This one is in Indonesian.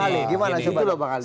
bagaimana soekarno pak ali